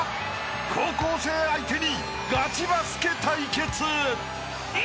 ［高校生相手にガチバスケ対決］